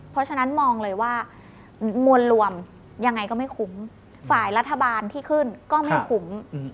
เพราะฉะนั้นมองเลยว่ามวลรวมยังไงก็ไม่คุ้มฝ่ายรัฐบาลที่ขึ้นก็ไม่คุ้ม